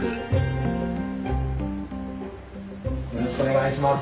よろしくお願いします。